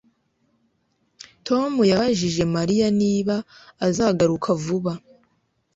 Tom yabajije Mariya niba azagaruka vuba